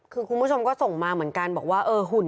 คือคุณผู้ชมก็ส่งมาเหมือนกันบอกว่าเออหุ่น